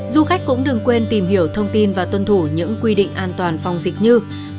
du khách cũng đừng quên tìm hiểu thông tin và tuân thủ những quy định an toàn phòng dịch như